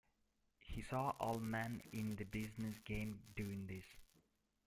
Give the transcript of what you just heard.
He saw all men in the business game doing this.